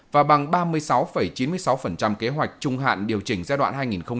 và bằng ba mươi sáu chín mươi sáu kế hoạch trung hạn điều chỉnh giai đoạn hai nghìn một mươi sáu hai nghìn hai mươi